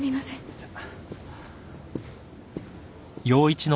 じゃあ。